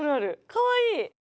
かわいい。